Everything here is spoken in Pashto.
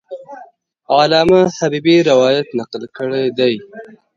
علامه حبیبي روایت نقل کړی دی.